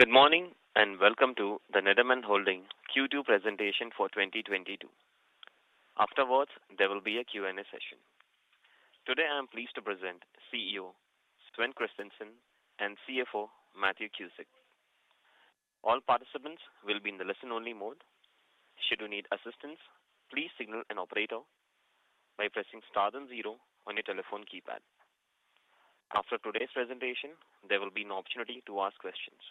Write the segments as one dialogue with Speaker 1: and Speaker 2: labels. Speaker 1: Good morning, and welcome to the Nederman Holding Q2 presentation for 2022. Afterwards, there will be a Q&A session. Today I am pleased to present CEO Sven Kristensson and CFO Matthew Cusick. All participants will be in the listen only mode. Should you need assistance, please signal an operator by pressing star then zero on your telephone keypad. After today's presentation, there will be an opportunity to ask questions.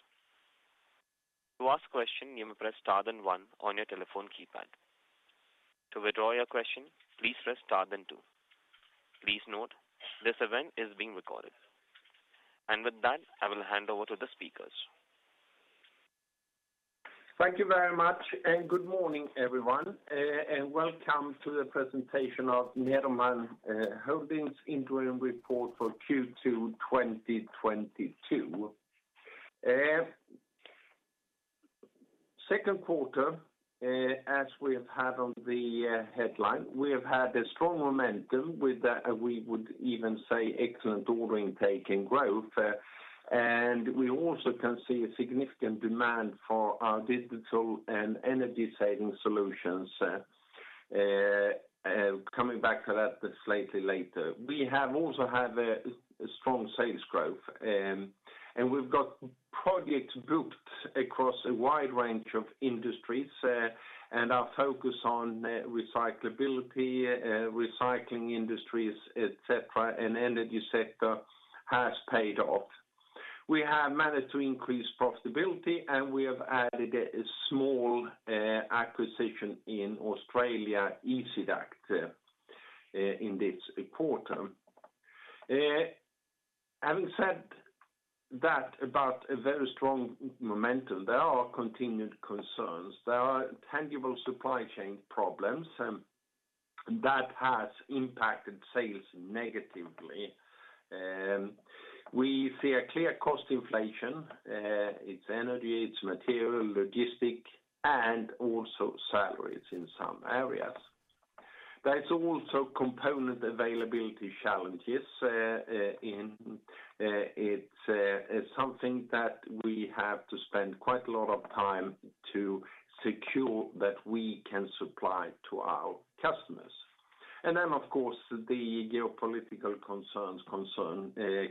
Speaker 1: To ask a question, you may press star then one on your telephone keypad. To withdraw your question, please press star then two. Please note, this event is being recorded. With that, I will hand over to the speakers.
Speaker 2: Thank you very much, and good morning, everyone, and welcome to the presentation of Nederman Holding's interim report for Q2 2022. Second quarter, as we have had on the headline, we have had a strong momentum, we would even say excellent order intake and growth. We also can see a significant demand for our digital and energy saving solutions, coming back to that slightly later. We have also had a strong sales growth, and we've got projects booked across a wide range of industries, and our focus on recyclability, recycling industries, et cetera, and energy sector has paid off. We have managed to increase profitability, and we have added a small acquisition in Australia, Ezi-Duct, in this quarter. Having said that about a very strong momentum, there are continued concerns. There are tangible supply chain problems that has impacted sales negatively. We see a clear cost inflation. It's energy, it's material, logistics, and also salaries in some areas. There's also component availability challenges, something that we have to spend quite a lot of time to secure that we can supply to our customers. Then, of course, the geopolitical concerns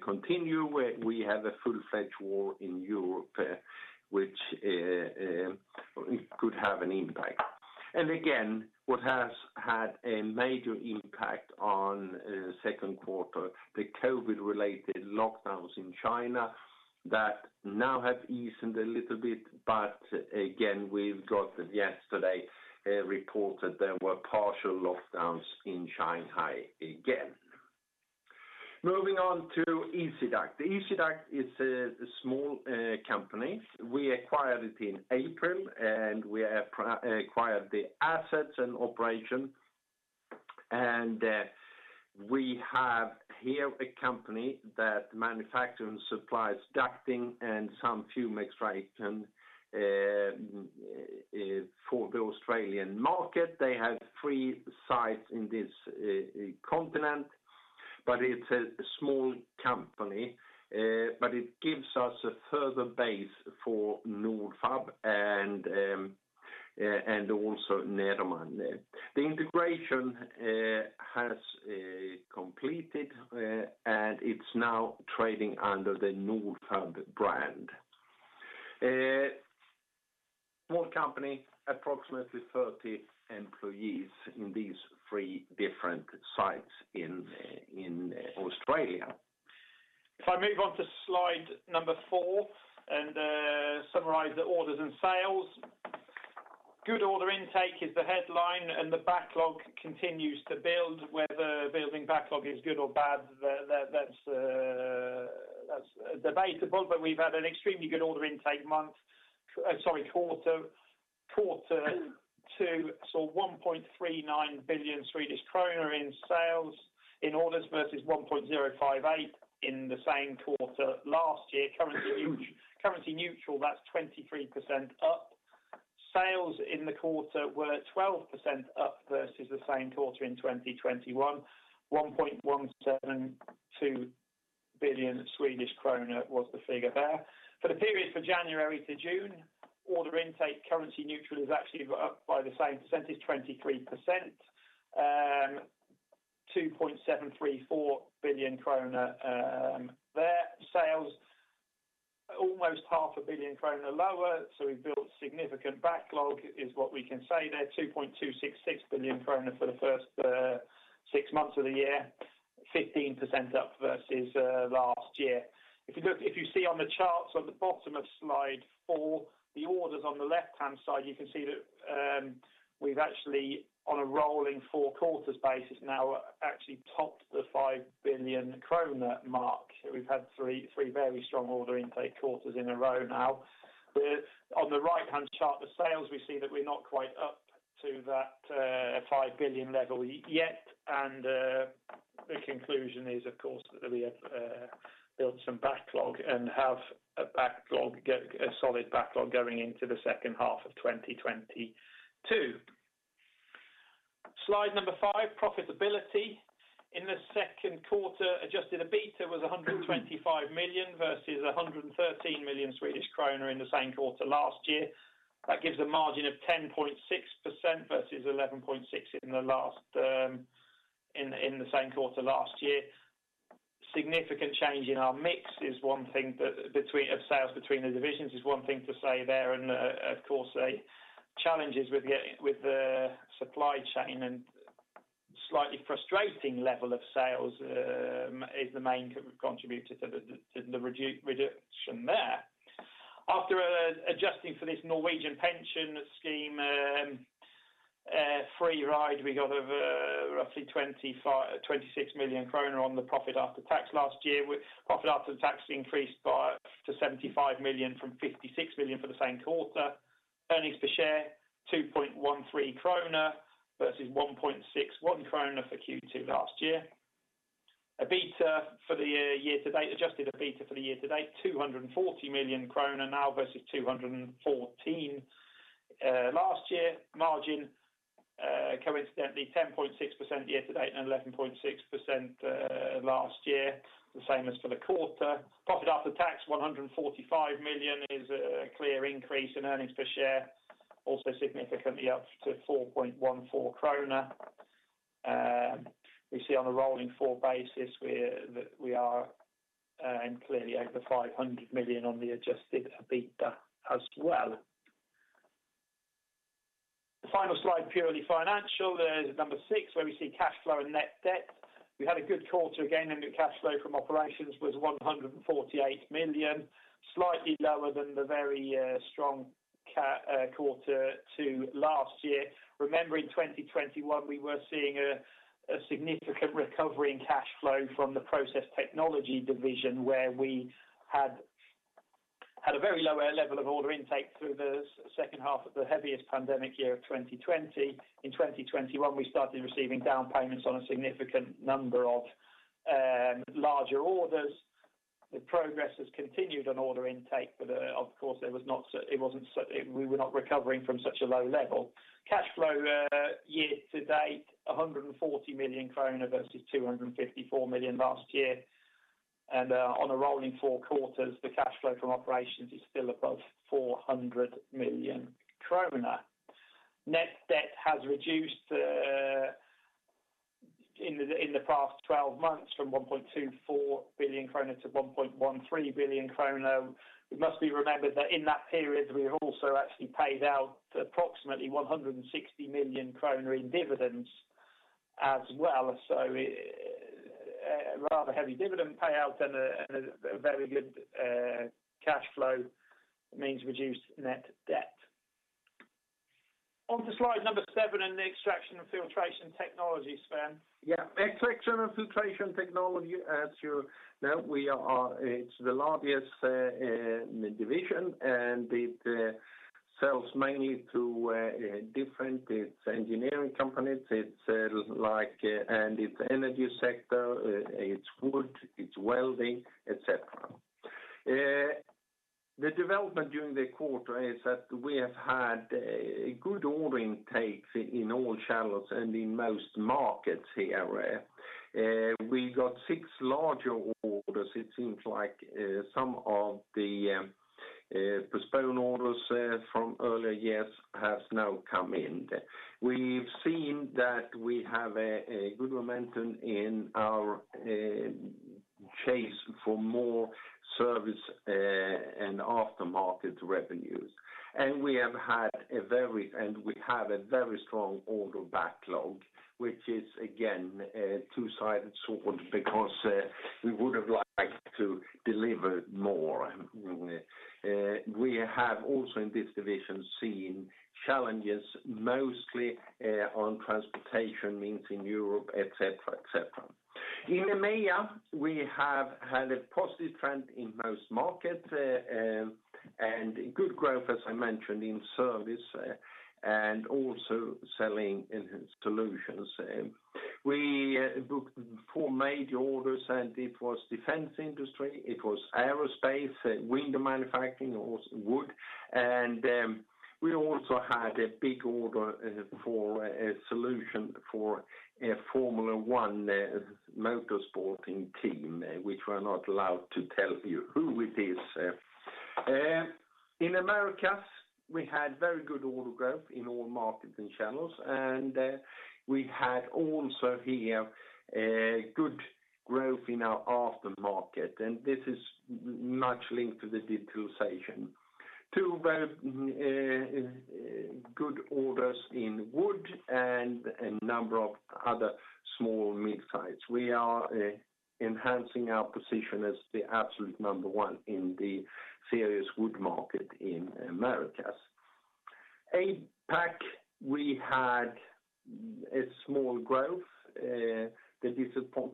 Speaker 2: continue. We have a full-fledged war in Europe, which could have an impact. Again, what has had a major impact on second quarter, the COVID related lockdowns in China that now have eased a little bit. Again, we've got yesterday a report that there were partial lockdowns in Shanghai again. Moving on to Ezi-Duct. Ezi-Duct is a small company. We acquired it in April, and we acquired the assets and operation. We have here a company that manufactures and supplies ducting and some fume extraction for the Australian market. They have three sites in this continent, but it's a small company. It gives us a further base for Nordfab and also Nederman. The integration has completed, and it's now trading under the Nordfab brand. Small company, approximately 30 employees in these three different sites in Australia.
Speaker 3: If I move on to slide number four and summarize the orders and sales. Good order intake is the headline, and the backlog continues to build. Whether building backlog is good or bad, that's debatable, but we've had an extremely good order intake quarter two. 1.39 billion Swedish krona in sales in orders versus 1.058 billion in the same quarter last year. Currency neutral, that's 23% up. Sales in the quarter were 12% up versus the same quarter in 2021. 1.172 billion Swedish krona was the figure there. For the period for January to June, order intake currency neutral is actually up by the same percentage, 23%. 2.734 billion kronor there. Sales almost half a billion krona lower, so we've built significant backlog, which is what we can say there. 2.266 billion kronor for the first six months of the year, 15% up versus last year. If you see on the charts on the bottom of slide four, the orders on the left-hand side, you can see that we've actually on a rolling four quarters basis now actually topped the 5 billion kronor mark. We've had three very strong order intake quarters in a row now. On the right-hand chart, the sales, we see that we're not quite up to that 5 billion level yet. The conclusion is, of course, that we have built some backlog and have a solid backlog going into the second half of 2022. Slide number five, profitability. In the second quarter, adjusted the EBITDA was 125 million versus 113 million Swedish kronor in the same quarter last year. That gives a margin of 10.6% versus 11.6% in the same quarter last year. Significant change in our mix is one thing, the mix of sales between the divisions is one thing to say there, and of course, the challenges with the supply chain and slightly frustrating level of sales is the main contributor to the reduction there. After adjusting for this Norwegian pension scheme free ride, we got over roughly 26 million krona on the profit after tax last year. Profit after tax increased to 75 million from 56 million for the same quarter. Earnings per share, 2.13 krona versus 1.61 krona for Q2 last year. EBITDA for the year-to-date, adjusted EBITDA for the year to date, 240 million kronor now versus 214 million last year. Margin coincidentally 10.6% year-to-date and 11.6% last year, the same as for the quarter. Profit after tax, 145 million is a clear increase in earnings per share, also significantly up to 4.14 krona. We see on a rolling four basis that we are clearly over 500 million on the adjusted EBITDA as well. The final slide, purely financial, is number six, where we see cash flow and net debt. We had a good quarter again, and the cash flow from operations was 148 million, slightly lower than the very strong Q2 last year. Remembering 2021, we were seeing a significant recovery in cash flow from the Process Technology division, where we had a very low level of order intake through the second half of the heaviest pandemic year of 2020. In 2021, we started receiving down payments on a significant number of larger orders. The progress has continued on order intake, but of course, we were not recovering from such a low level. Cash flow year-to-date, 140 million kronor versus 254 million last year. On a rolling four quarters, the cash flow from operations is still above 400 million kronor. Net debt has reduced in the past 12 months from 1.24 billion kronor to 1.13 billion kronor. It must be remembered that in that period, we have also actually paid out approximately 160 million kronor in dividends as well. A rather heavy dividend payout and a very good cash flow means reduced net debt. On to slide number seven in the Extraction & Filtration Technology, Sven.
Speaker 2: Extraction & Filtration Technology, as you know, it's the largest division, and it sells mainly to different engineering companies. It's like the energy sector, wood, welding, et cetera. The development during the quarter is that we have had a good order intake in all channels and in most markets here. We got six larger orders. It seems like some of the postponed orders from earlier years has now come in. We've seen that we have a good momentum in our chase for more service and aftermarket revenues. We have a very strong order backlog, which is again a two-sided sword because we would have liked to deliver more. We have also in this division seen challenges mostly on transportation means in Europe, et cetera, et cetera. In EMEA, we have had a positive trend in most markets and a good growth, as I mentioned, in service and also selling in solutions. We booked four major orders, and it was defense industry, it was aerospace, window manufacturing, also wood. We also had a big order for a solution for a Formula One motorsporting team which we're not allowed to tell you who it is. In Americas, we had very good order growth in all markets and channels, and we had also here good growth in our aftermarket, and this is much linked to the digitalization. Two very good orders in wood and a number of other small mid-size. We are enhancing our position as the absolute number one in the woodworking market in the Americas. APAC, we had a small growth. The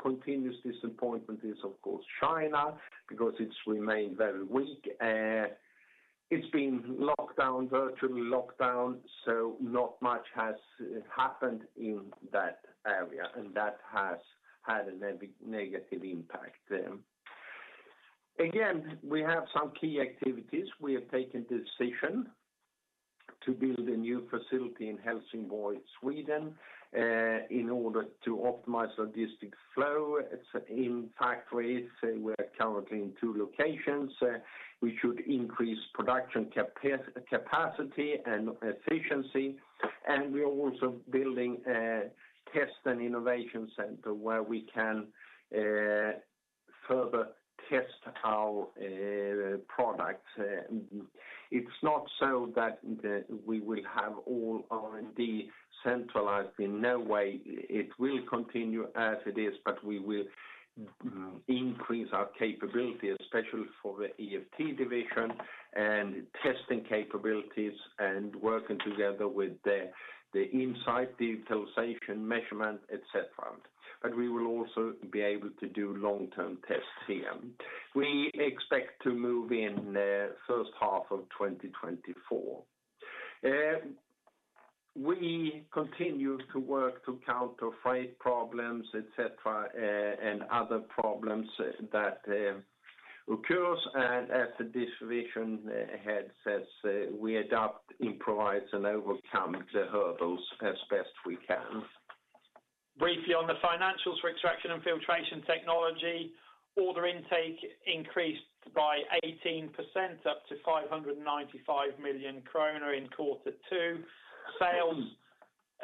Speaker 2: continuous disappointment is of course China because it's remained very weak. It's been locked down, virtually locked down, so not much has happened in that area, and that has had a negative impact. Again, we have some key activities. We have taken the decision to build a new facility in Helsingborg, Sweden, in order to optimize logistics flow. Our factories are currently in two locations. We should increase production capacity and efficiency, and we are also building a test and innovation center where we can further test our products. It's not so that we will have all R&D centralized, in no way. It will continue as it is, but we will increase our capability, especially for the EFT division and testing capabilities and working together with the insight, digitalization, measurement, et cetera. We will also be able to do long-term tests here. We expect to move in first half of 2024. We continue to work to counter freight problems, et cetera, and other problems that occurs, and as the division head says, we adapt, improvise, and overcome the hurdles as best we can.
Speaker 3: Briefly on the financials for Extraction & Filtration Technology, order intake increased by 18% to 595 million krona in quarter two. Sales,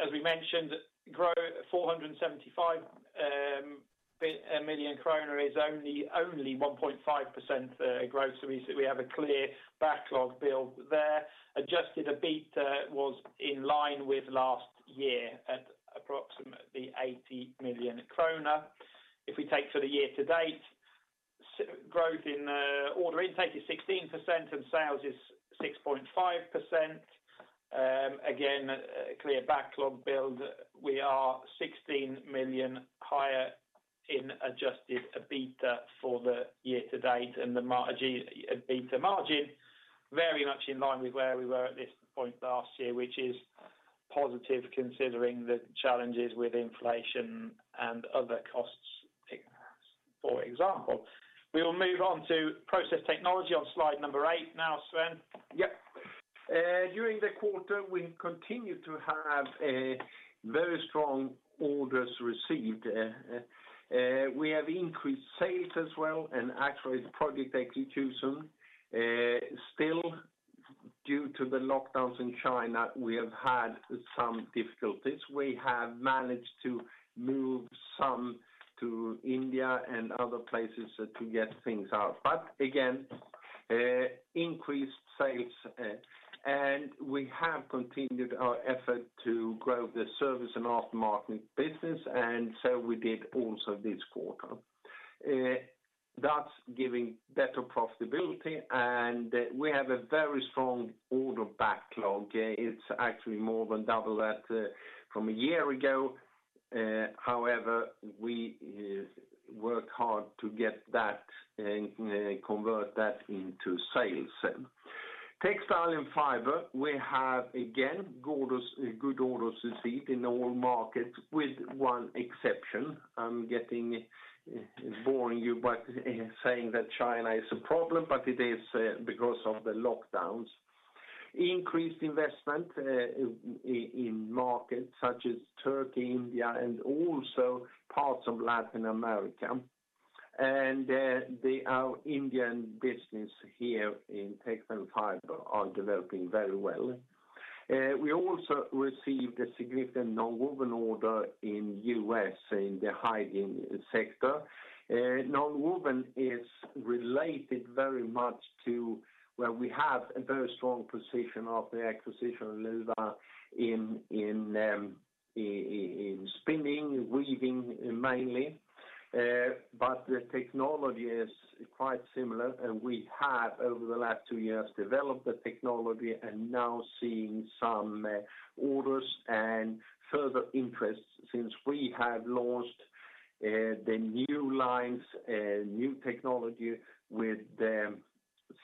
Speaker 3: as we mentioned, grew to 475 million krona, which is only 1.5% growth. We have a clear backlog build there. Adjusted EBITA was in line with last year at approximately 80 million kronor. If we take the year-to-date, growth in order intake is 16% and sales is 6.5%. Again, a clear backlog build. We are 16 million higher in adjusted EBITA for the year to date, and the EBITA margin very much in line with where we were at this point last year, which is positive considering the challenges with inflation and other costs, for example. We will move on to Process Technology on slide number eight. Now, Sven?
Speaker 2: During the quarter, we continued to have very strong orders received. We have increased sales as well, and actually project execution. Still due to the lockdowns in China, we have had some difficulties. We have managed to move some to India and other places to get things out. Again, increased sales, and we have continued our effort to grow the service and aftermarket business, and so we did also this quarter. That's giving better profitability, and we have a very strong order backlog. It's actually more than double that from a year ago. However, we work hard to get that and convert that into sales. Textile and fiber, we have again orders, good orders received in all markets with one exception. I'm getting boring you by saying that China is a problem, but it is, because of the lockdowns. Increased investment in markets such as Turkey, India, and also parts of Latin America. Our Indian business here in textile and fiber are developing very well. We also received a significant non-woven order in U.S. in the hygiene sector. Non-woven is related very much to where we have a very strong position of the acquisition of Luwa in spinning, weaving mainly. But the technology is quite similar, and we have, over the last two years, developed the technology and now seeing some orders and further interest since we have launched the new lines, new technology with the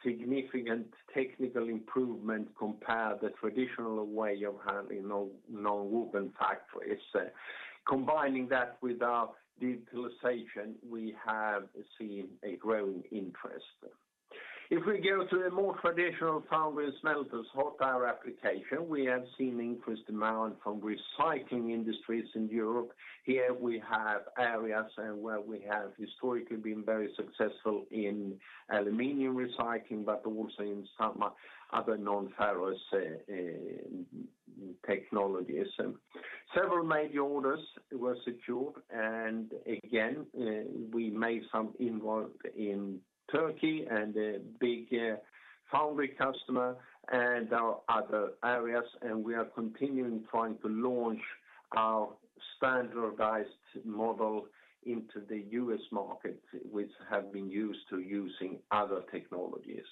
Speaker 2: significant technical improvement compared to the traditional way of having non-woven factories. Combining that with our digitalization, we have seen a growing interest. If we go to the more traditional foundries, smelters, hot air application, we have seen increased demand from recycling industries in Europe. Here we have areas, where we have historically been very successful in aluminum recycling, but also in some other nonferrous technologies. Several major orders were secured, and again, we had some involvement in Turkey and a big foundry customer and our other areas, and we are continuing to try to launch our standardized model into the U.S. market, which have been used to using other technologies.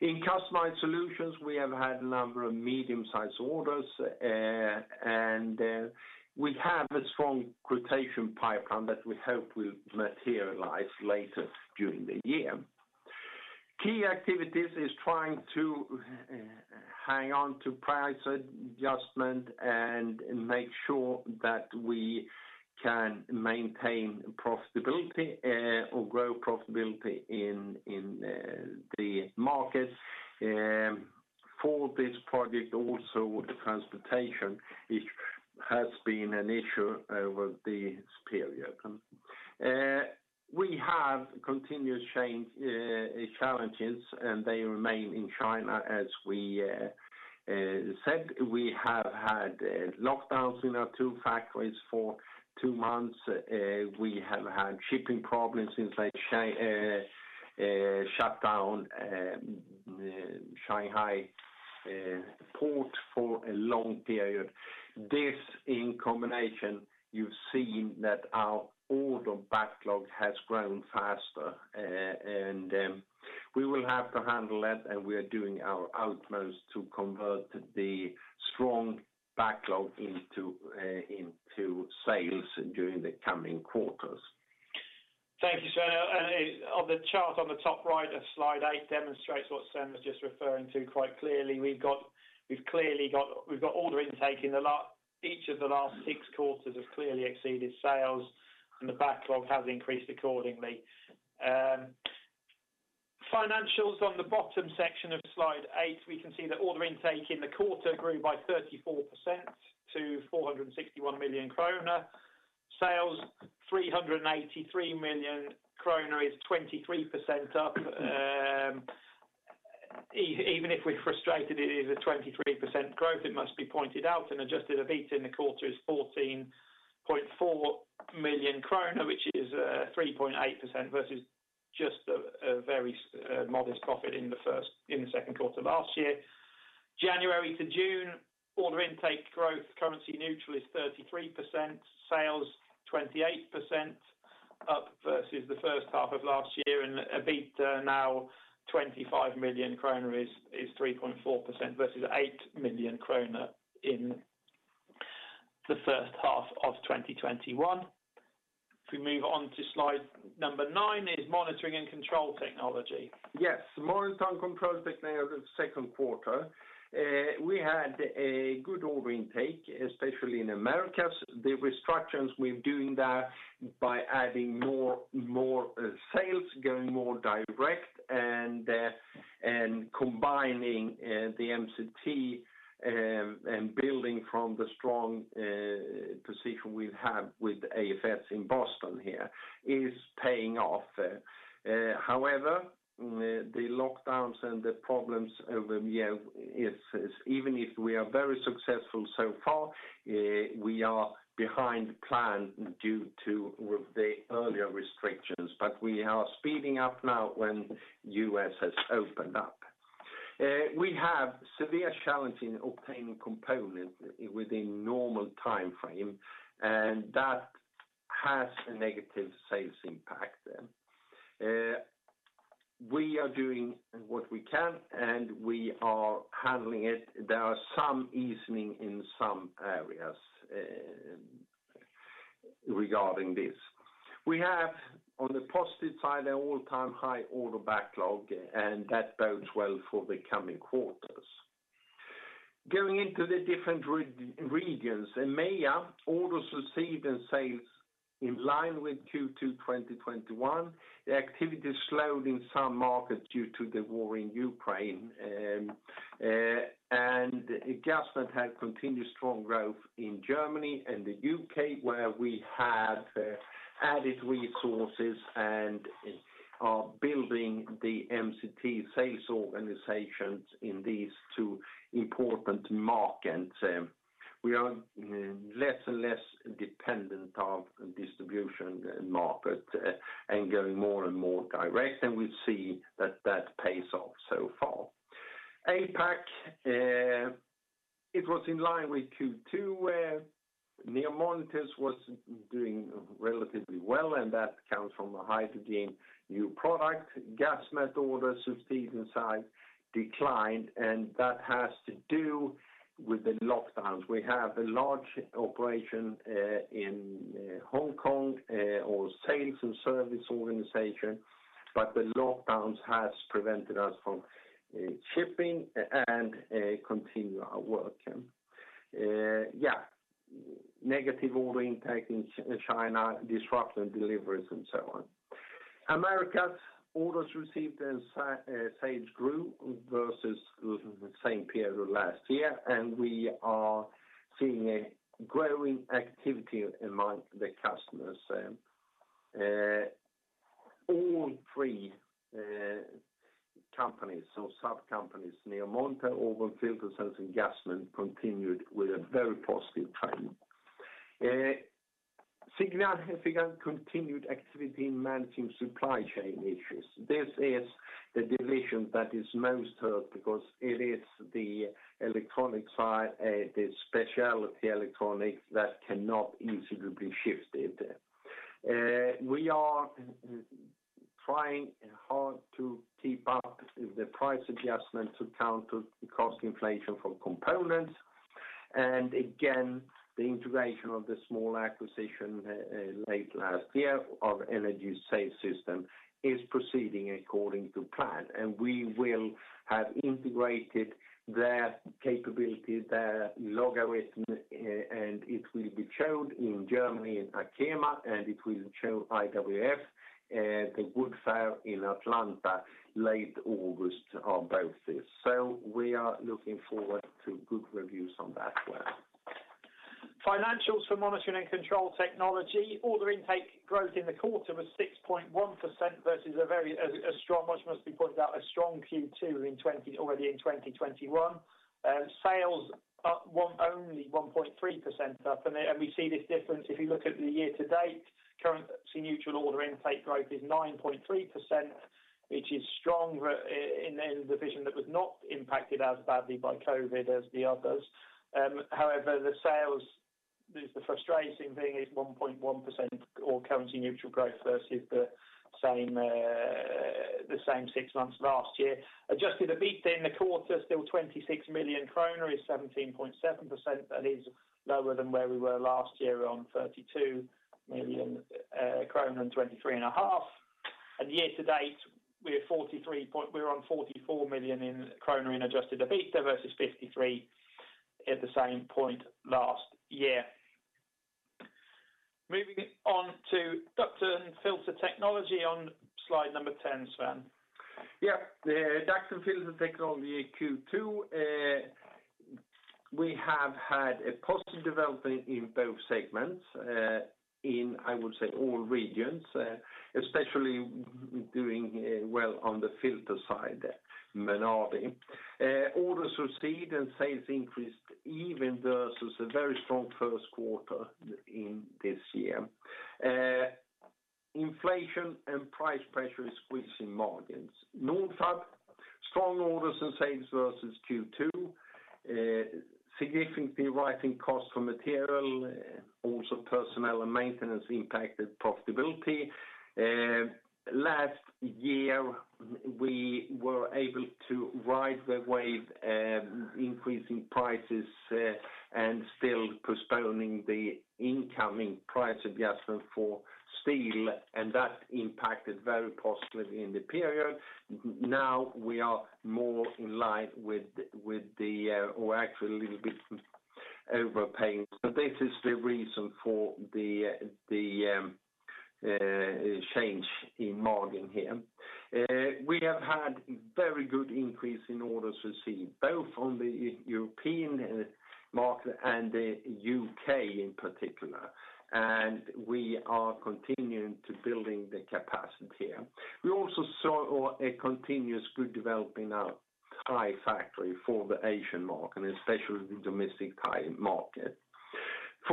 Speaker 2: In customized solutions, we have had a number of medium-sized orders, and we have a strong quotation pipeline that we hope will materialize later during the year. Key activities is trying to hang on to price adjustment and make sure that we can maintain profitability, or grow profitability in the markets. For this project also with the transportation, it has been an issue over this period. We have continuous challenges, and they remain in China, as we said. We have had lockdowns in our two factories for two months. We have had shipping problems since they shut down Shanghai port for a long period. This in combination, you've seen that our order backlog has grown faster, and we will have to handle that, and we are doing our utmost to convert the strong backlog into sales during the coming quarters.
Speaker 3: Thank you, Sven. On the chart on the top right of slide eight demonstrates what Sven was just referring to quite clearly. We've clearly got order intake each of the last six quarters have clearly exceeded sales, and the backlog has increased accordingly. Financials on the bottom section of slide eight, we can see that order intake in the quarter grew by 34% to 461 million kronor. Sales, 383 million kronor is 23% up. Even if we're frustrated, it is a 23% growth, it must be pointed out, and adjusted EBIT in the quarter is 14.4 million kronor, which is 3.8% versus just a very modest profit in the second quarter of last year. January to June, order intake growth currency neutral is 33%, sales 28% up versus the first half of last year, and EBITA now 25 million kronor is 3.4% versus 8 million kronor in the first half of 2021. If we move on to slide number nine is Monitoring & Control Technology.
Speaker 2: Yes, Monitoring and Control Technology second quarter. We had a good order intake, especially in Americas. The restructures we're doing by adding more sales, going more direct and combining the MCT and building from the strong position we've had with AFS in Boston is paying off. However, the lockdowns and the problems over here is even if we are very successful so far, we are behind plan due to the earlier restrictions. We are speeding up now when U.S. has opened up. We have severe challenge in obtaining component within normal timeframe, and that has a negative sales impact. We are doing what we can, and we are handling it. There are some easing in some areas regarding this. We have, on the positive side, an all-time high order backlog, and that bodes well for the coming quarters. Going into the different regions, in EMEA, orders received and sales in line with Q2 2021. The activity slowed in some markets due to the war in Ukraine. Gasmet had continued strong growth in Germany and the U.K., where we had added resources and are building the MCT sales organizations in these two important markets. We are less and less dependent on distribution market, and going more and more direct, and we see that that pays off so far. APAC, it was in line with Q2, NEO Monitors was doing relatively well, and that comes from a high-tech new product. Gasmet orders received and sales declined, and that has to do with the lockdowns. We have a large operation in Hong Kong or sales and service organization, but the lockdowns has prevented us from shipping and continue our work. Yeah, negative order intake in China, disrupted deliveries and so on. Americas orders received and sales grew versus same period last year, and we are seeing a growing activity among the customers. All three companies or sub-companies, NEO Monitors, Auburn FilterSense and Gasmet continued with a very positive trend. Significant continued activity in managing supply chain issues. This is the division that is most hurt because it is the electronic side, the specialty electronics that cannot easily be shifted. We are trying hard to keep up the price adjustment to counter the cost inflation for components. Again, the integration of the small acquisition late last year of Energy Save is proceeding according to plan, and we will have integrated their capability, their logistics, and it will be shown in Germany in ACHEMA, and it will show IWF, the woodworking fair in Atlanta late August on both this. We are looking forward to good reviews on that one.
Speaker 3: Financials for Monitoring & Control Technology, order intake growth in the quarter was 6.1% versus a very strong Q2 already in 2021, which must be pointed out. Sales up only 1.3%, and we see this difference if you look at the year-to-date, currency neutral order intake growth is 9.3%, which is stronger in a division that was not impacted as badly by COVID as the others. However, the sales, the frustrating thing is 1.1% currency neutral growth versus the same six months last year. Adjusted EBITDA in the quarter, still 26 million kronor, is 17.7%. That is lower than where we were last year on 32 million kronor and 23.5%. Year to date we're on 44 million kronor in adjusted EBITDA versus 53 million at the same point last year. Moving on to Duct & Filter Technology on slide number 10, Sven.
Speaker 2: Yeah. The Duct & Filter Technology Q2, we have had a positive development in both segments, I would say all regions, especially doing well on the filter side, mainly. Orders received and sales increased even versus a very strong first quarter in this year. Inflation and price pressure is squeezing margins. Nordfab, strong orders and sales versus Q2, significantly rising cost for material, also personnel and maintenance impacted profitability. Last year, we were able to ride the wave, increasing prices, and still postponing the incoming price adjustment for steel, and that impacted very positively in the period. Now we are more in line with the or actually a little bit overpaying. This is the reason for the change in margin here. We have had very good increase in orders received, both on the European market and the U.K. in particular, and we are continuing to build the capacity here. We also saw a continuously good development in our Thai factory for the Asian market, especially the domestic Thai market.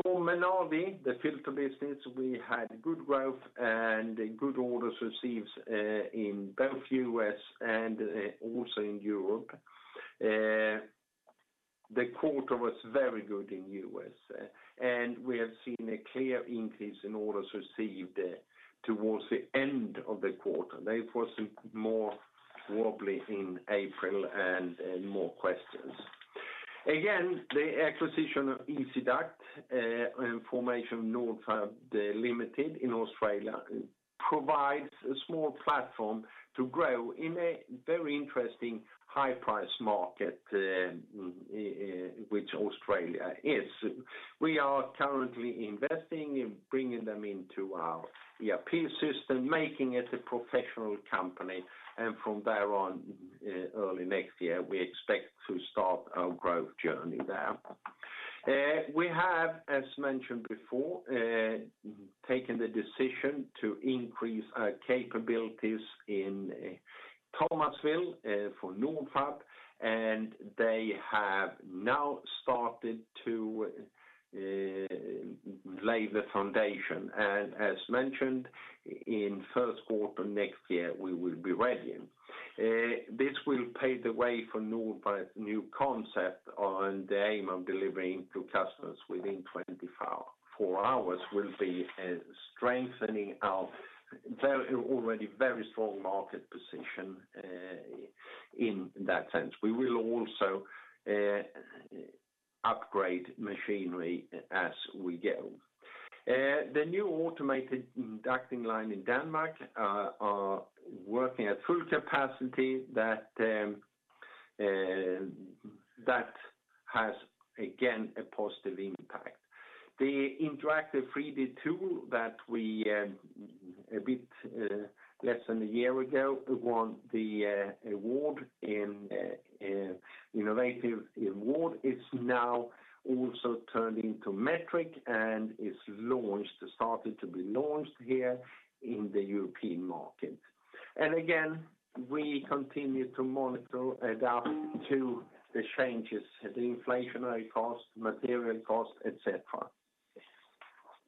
Speaker 2: For Menardi, the filter business, we had good growth and good orders received in both U.S. and also in Europe. The quarter was very good in U.S., and we have seen a clear increase in orders received towards the end of the quarter. There was more volatility in April and more questions. Again, the acquisition of Ezi-Duct and formation of Nordfab Pty Ltd in Australia provides a small platform to grow in a very interesting high-price market, which Australia is. We are currently investing in bringing them into our ERP system, making it a professional company, and from there on, early next year, we expect to start our growth journey there. We have, as mentioned before, taken the decision to increase our capabilities in Thomasville for Nordfab, and they have now started to lay the foundation. As mentioned in first quarter next year, we will be ready. This will pave the way for Nordfab's new concept and the aim of delivering to customers within 24 hours will be strengthening our very, already very strong market position in that sense. We will also upgrade machinery as we go. The new automated ducting line in Denmark are working at full capacity that has, again, a positive impact. The interactive 3D tool that we, a bit, less than a year ago won the, innovative award is now also turned into metric and is launched, started to be launched here in the European market. Again, we continue to monitor, adapt to the changes, the inflationary cost, material cost, etc.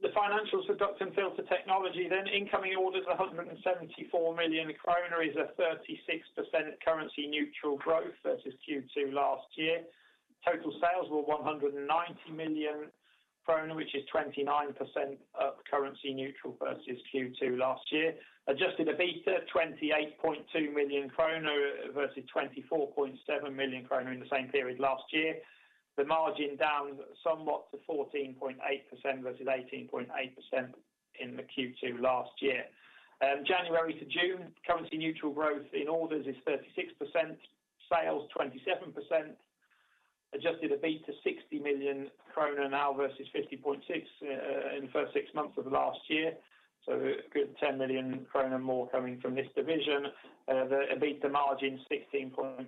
Speaker 3: The financials for Duct & Filter Technology, incoming orders 174 million kronor is 36% currency neutral growth versus Q2 last year. Total sales were 190 million krona, which is 29% currency neutral versus Q2 last year. Adjusted EBITDA 28.2 million krona versus 24.7 million krona in the same period last year. The margin down somewhat to 14.8% versus 18.8% in Q2 last year. January to June, currency neutral growth in orders is 36%, sales 27%. Adjusted EBITDA 60 million krona now versus 50.6 in the first six months of last year, so a good 10 million krona more coming from this division. The EBITDA margin 16.5%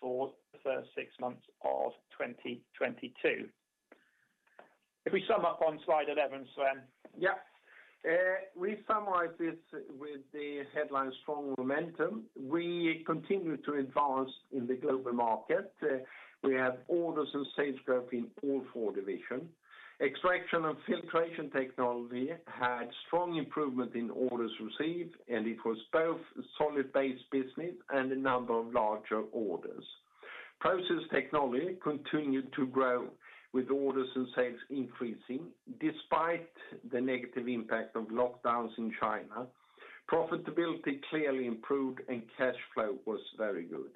Speaker 3: for the first six months of 2022. If we sum up on slide 11, Sven.
Speaker 2: Yeah. We summarize this with the headline strong momentum. We continue to advance in the global market. We have orders and sales growth in all four divisions. Extraction & Filtration Technology had strong improvement in orders received, and it was both solid base business and a number of larger orders. Process Technology continued to grow with orders and sales increasing despite the negative impact of lockdowns in China. Profitability clearly improved and cash flow was very good.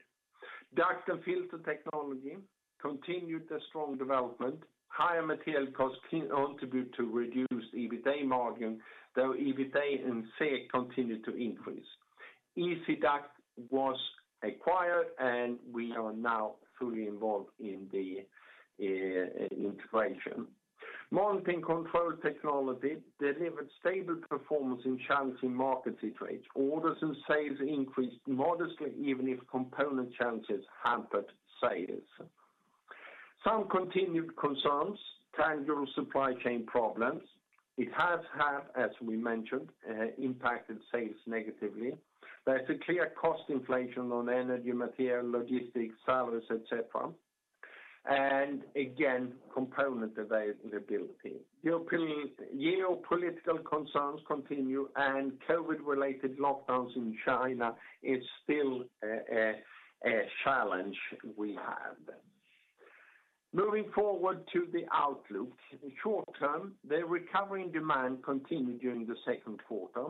Speaker 2: Duct & Filter Technology continued a strong development. Higher material costs contribute to reduced EBITA margin, though EBITA and sales continued to increase. Ezi-Duct was acquired and we are now fully involved in the integration. Monitoring & Control Technology delivered stable performance in challenging market situation. Orders and sales increased modestly, even if component challenges hampered sales. Some continued concerns, tangible supply chain problems. It has had, as we mentioned, impacted sales negatively. There's a clear cost inflation on energy, material, logistics, salaries, etc. Again, component availability. The geopolitical concerns continue and COVID-related lockdowns in China is still a challenge we have. Moving forward to the outlook. In short term, the recovery in demand continued during the second quarter.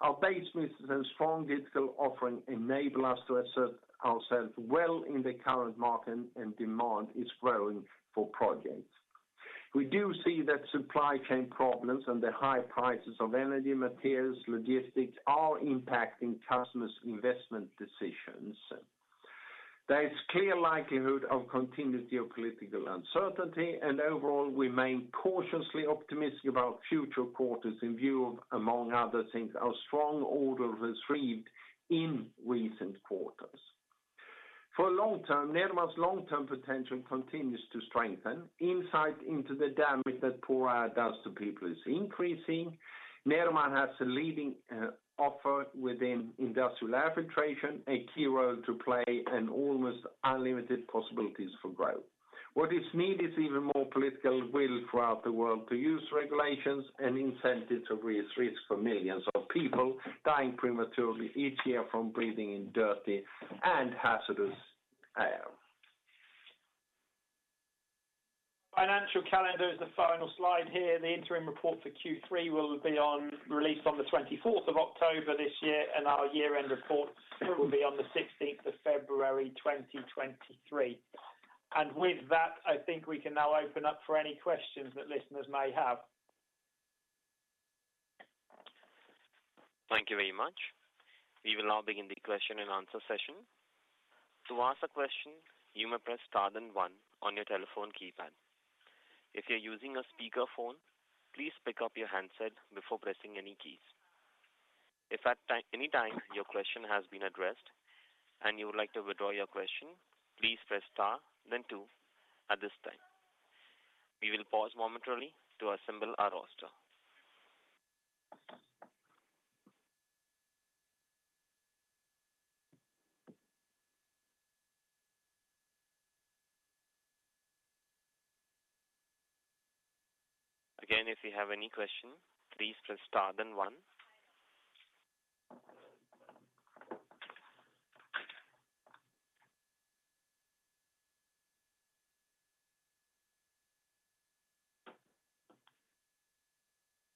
Speaker 2: Our base mixes and strong digital offering enable us to assert ourselves well in the current market and demand is growing for projects. We do see that supply chain problems and the high prices of energy materials, logistics are impacting customers' investment decisions. There is clear likelihood of continued geopolitical uncertainty and overall we remain cautiously optimistic about future quarters in view of, among other things, our strong orders received in recent quarters. For long term, Nederman's long-term potential continues to strengthen. Insight into the damage that poor air does to people is increasing. Nederman has a leading offer within industrial air filtration, a key role to play, and almost unlimited possibilities for growth. What is needed is even more political will throughout the world to use regulations and incentives to reduce risk for millions of people dying prematurely each year from breathing in dirty and hazardous air.
Speaker 3: Financial calendar is the final slide here. The interim report for Q3 will be released on the 24th of October this year, and our year-end report will be on the 16th of February, 2023. With that, I think we can now open up for any questions that listeners may have.
Speaker 1: Thank you very much. We will now begin the question-and-answer session. To ask a question, you may press star then one on your telephone keypad. If you're using a speaker phone, please pick up your handset before pressing any keys. If at anytime your question has been addressed and you would like to withdraw your question, please press star then two at this time. We will pause momentarily to assemble our roster. Again, if you have any question, please press star then one.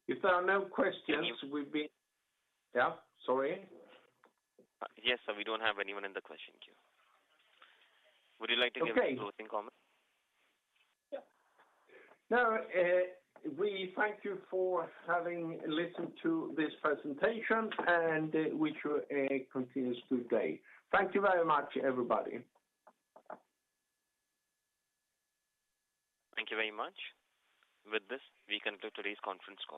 Speaker 2: If there are no questions. Yeah, sorry.
Speaker 1: Yes, sir, we don't have anyone in the question queue. Would you like to give any closing comments?
Speaker 2: Now, we thank you for having listened to this presentation and we wish you a continuous good day. Thank you very much, everybody.
Speaker 1: Thank you very much. With this, we conclude today's conference call.